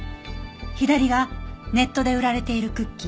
左がネットで売られているクッキー。